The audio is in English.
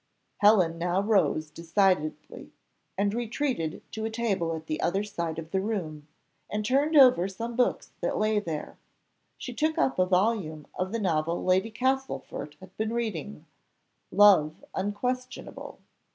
Helen now rose decidedly, and retreated to a table at the other side of the room, and turned over some books that lay there she took up a volume of the novel Lady Castlefort had been reading "Love unquestionable."